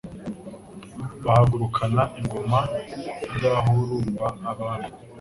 Bahagurukana ingoma idahurumba Abami,